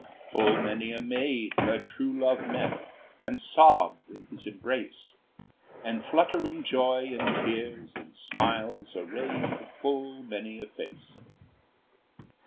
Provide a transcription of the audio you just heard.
Full many a maid her true love met, And sobbed in his embrace, And fluttering joy in tears and smiles Arrayed full many a face.